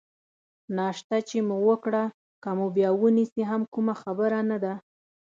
ناشته چې مو وکړه، که مو بیا ونیسي هم کومه خبره نه ده.